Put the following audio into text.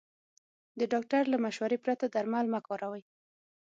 د ډاکټر له مشورې پرته درمل مه کاروئ.